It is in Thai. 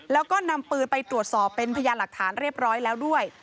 แล้วก็นำปืนไปตรวจสอบเป็นพยานหลักฐานเรียบร้อยแล้วด้วย